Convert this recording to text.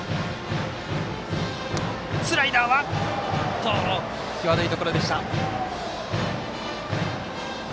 スライダー、際どいところでした。